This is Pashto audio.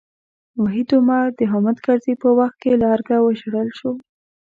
وحید عمر د حامد کرزي په وخت کې له ارګه وشړل شو.